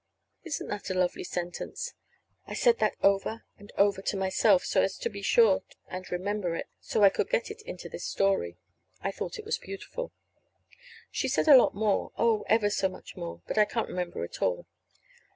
(Isn't that a lovely sentence? I said that over and over to myself so as to be sure and remember it, so I could get it into this story. I thought it was beautiful.) She said a lot more oh, ever so much more; but I can't remember it all.